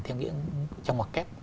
theo nghĩa trong hoặc kép